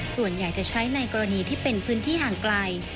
ส่วนใหญ่จะใช้ในกรณีที่เป็นพื้นที่ห่างไกล